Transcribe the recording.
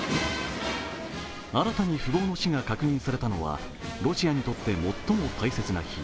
新たに富豪の死が確認されたのはロシアにとって最も大切な日